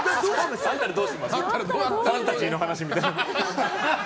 ファンタジーの話みたいに。